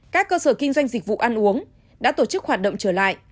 các cơ sở kinh doanh dịch vụ ăn uống đã tổ chức hoạt động trở lại